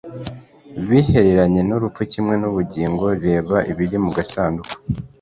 bihereranye n urupfu kimwe n ubugingo Reba ibiri mu gasanduku